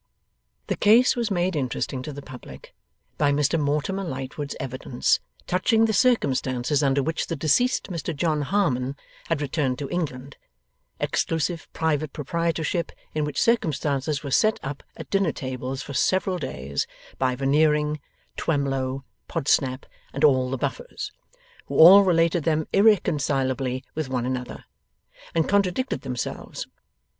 The case was made interesting to the public, by Mr Mortimer Lightwood's evidence touching the circumstances under which the deceased, Mr John Harmon, had returned to England; exclusive private proprietorship in which circumstances was set up at dinner tables for several days, by Veneering, Twemlow, Podsnap, and all the Buffers: who all related them irreconcilably with one another, and contradicted themselves.